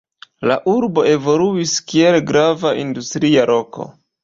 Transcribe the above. La urbo evoluis, kiel grava industria loko.